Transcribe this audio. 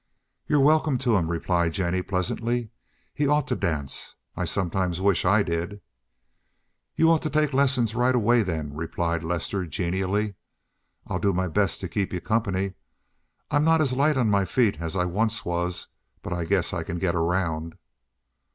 "You're welcome to him," replied Jennie pleasantly. "He ought to dance. I sometimes wish I did." "You ought to take lessons right away then," replied Lester genially. "I'll do my best to keep you company. I'm not as light on my feet as I was once, but I guess I can get around."